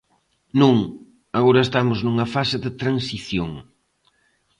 Non, agora estamos nunha fase de transición.